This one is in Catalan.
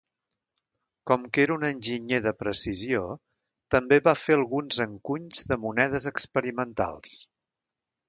Com que era un enginyer de precisió, també va fer alguns encunys de monedes experimentals.